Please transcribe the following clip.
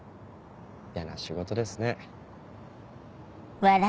嫌な仕事ですね。